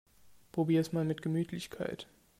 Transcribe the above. Probier's mal mit Gemütlichkeit!